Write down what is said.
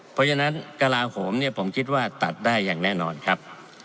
เพราะฉะนั้นกระลาโหมเนี่ยผมคิดว่าตัดได้อย่างแน่นอนครับ